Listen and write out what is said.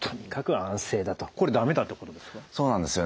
これ駄目だってことですか？